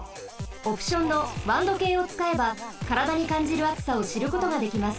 オプションのワン度計をつかえばからだにかんじるあつさをしることができます。